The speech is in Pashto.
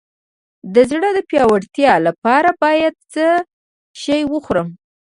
د زړه د پیاوړتیا لپاره باید څه شی وخورم؟